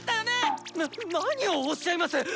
な何をおっしゃいます！